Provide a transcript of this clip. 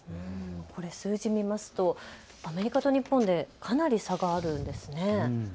これ数字を見ますとアメリカと日本でかなり差があるんですね。